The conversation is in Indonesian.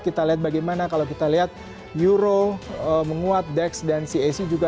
kita lihat bagaimana kalau kita lihat euro menguat dex dan cac juga